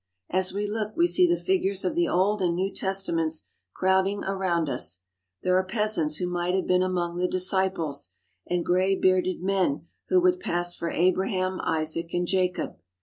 As we look we see the figures of the Old and New Tes taments crowding around us. There are peasants who might have been among the disciples, and gray bearded men who would pass for Abraham, Isaac, and Jacob.